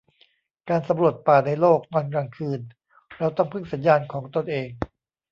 การสำรวจป่าในโลก ตอนกลางคืน เราต้องพึ่งสัญญาณของตนเอง